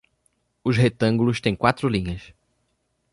Os retângulos têm quatro linhas.